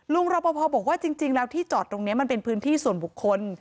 รอปภบอกว่าจริงแล้วที่จอดตรงนี้มันเป็นพื้นที่ส่วนบุคคล